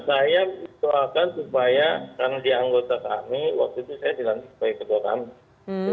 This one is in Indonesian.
saya doakan supaya karena dia anggota kami waktu itu saya dilantik sebagai ketua kami